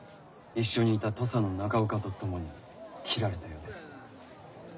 一緒にいた土佐の中岡とともに斬られたようです。